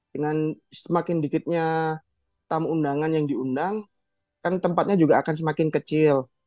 dengan semakin dikitnya tamu undangan yang diundang kan tempatnya juga akan semakin kecil